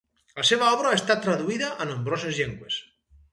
La seva obra ha estat traduïda a nombroses llengües.